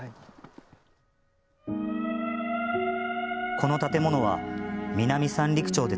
この建物は、南三陸町で